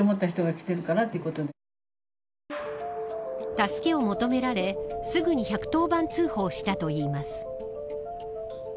助けを求められすぐに１１０番通報したといいます。